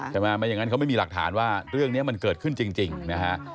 ไม่อย่างนั้นเขาไม่มีหลักฐานว่าเรื่องนี้มันเกิดขึ้นจริงนะฮะ